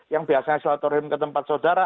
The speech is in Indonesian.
yang biasanya silaturahim ke tempat saudara